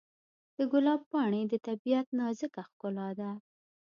د ګلاب پاڼې د طبیعت نازک ښکلا ده.